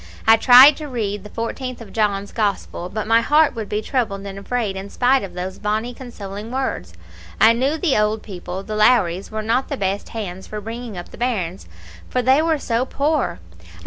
I tried to read the 14th of John's Gospel but my heart would be troubled and afraid in spite of those bonnie consoling words. I knew the old people, the Lowries, were not the best hands for bringing up the bairns, for they were so poor.